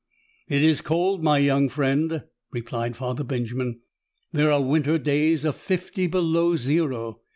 "It is cold, my young friend," replied Father Benjamin. "There are winter days of fifty below zero.